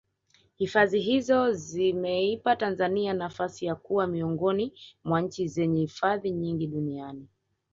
hifadhi hizo zimeipa tanzania nafasi ya kuwa miongoni mwa nchi zenye hifadhi nyingi duniani